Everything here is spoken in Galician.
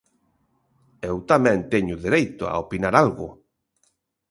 Eu tamén teño dereito a opinar algo.